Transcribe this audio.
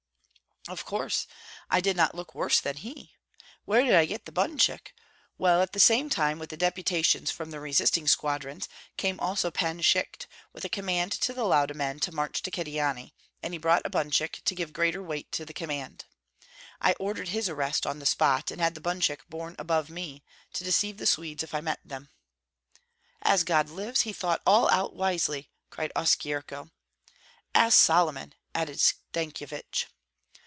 "Of course, I did not look worse than he? Where did I get the bunchuk? Well, at the same time with the deputations from the resisting squadrons, came also Pan Shchyt with a command to the Lauda men to march to Kyedani, and he brought a bunchuk to give greater weight to the command. I ordered his arrest on the spot, and had the bunchuk borne above me to deceive the Swedes if I met them." "As God lives, he thought all out wisely!" cried Oskyerko. "As Solomon!" added Stankyevich.